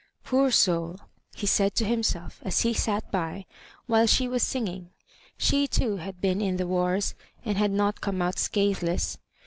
"Poor soull^' he said to himself, as he sat bj while she was singing. She, too, had been in the wars, and had not come out scatheless.